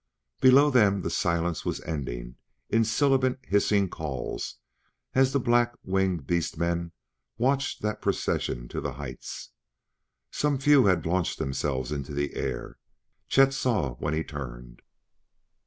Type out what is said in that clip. Below them the silence was ending in sibilant hissing calls as the black winged beast men watched that procession to the heights. Some few had launched themselves into the air, Chet saw when he turned.